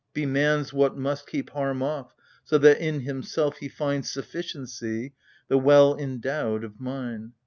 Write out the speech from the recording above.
Be man's what must Keep harm off, so that in himself he find Sufficiency — the well endowed of mind